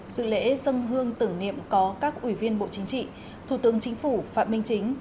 dự lễ dân hương tưởng niệm có các ủy viên bộ chính trị thủ tướng chính phủ phạm minh chính